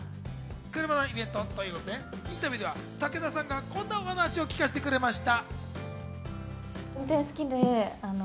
車のイベントということでインタビューでは武田さんがこんなお話を聞かせてくれました。